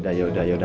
iya yaudah yaudah